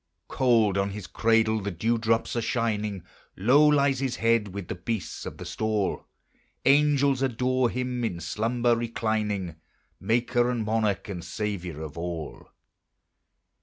Cold on his cradle the dew drops are shining, Low lies his head with the beasts of the stall; Angels adore him in slumber reclining, Maker and Monarch and Saviour of all.